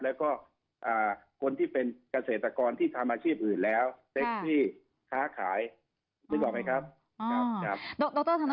แล้วก็คนที่เป็นเกษตรกรที่ทำอาชีพอื่นแล้วเป็นที่ค้าขายนึกออกไหมครับ